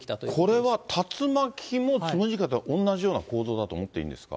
これは竜巻もつむじ風も、同じような構造だと思っていいんですか。